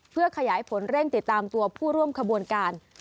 เพื่อขยายผลเร่งติดตามตัวผู้ร่วมขบวนการ